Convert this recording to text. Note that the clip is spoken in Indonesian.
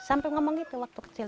sampai ngomong itu waktu kecil